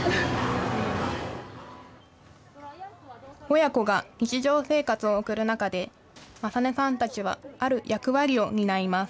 親子が日常生活を送る中で、理音さんたちはある役割を担います。